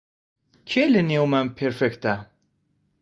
کێ لەنێومان پێرفێکتە؟